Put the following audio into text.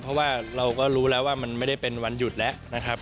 เพราะว่าเราก็รู้แล้วว่ามันไม่ได้เป็นวันหยุดแล้วนะครับ